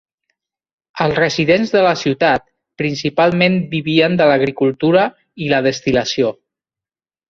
Els residents de la ciutat, principalment vivien de l'agricultura i la destil·lació.